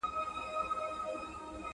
• د هېلۍ چيچي ته څوک اوبازي نه ور زده کوي.